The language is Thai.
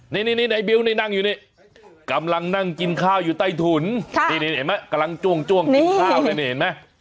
นี่ในบิวนี่นั่งอยู่นี่กำลังนั่งกินข้าวอยู่ใต้ถุนนี่เห็นไหมกำลังจ้วงกินข้าวนั่นนี่เห็นไหม